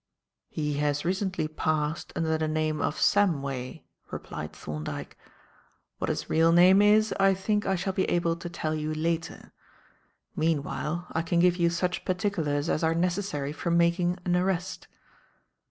"He has recently passed under the name of Samway," replied Thorndyke. "What his real name is, I think I shall be able to tell you later. Meanwhile, I can give you such particulars as are necessary for making an arrest."